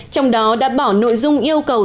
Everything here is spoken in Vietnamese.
trong đó đã bỏ nội dung yêu cầu